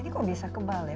ini kok bisa kebal ya